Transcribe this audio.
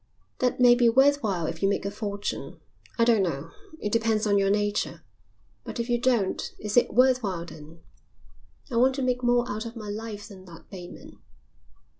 That may be worth while if you make a fortune; I don't know, it depends on your nature; but if you don't, is it worth while then? I want to make more out of my life than that, Bateman."